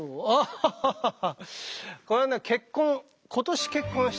ハハハハ。